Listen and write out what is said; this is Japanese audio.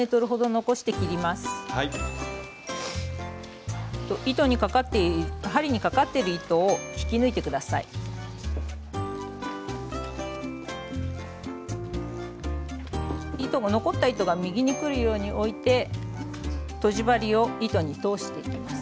残った糸が右にくるように置いてとじ針を糸に通していきます。